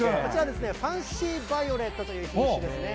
ファンシーバイオレットという品種ですね。